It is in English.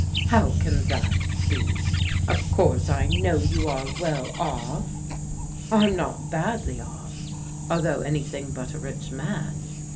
"" How can that be? Of course I know you are well oflf." " I'm not badly off, although an)rthing but a ricji man.